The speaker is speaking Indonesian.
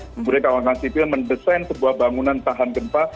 kemudian kawan kawan sipil mendesain sebuah bangunan tahan gempa